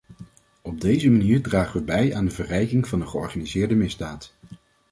Op deze manier dragen we bij aan de verrijking van de georganiseerde misdaad.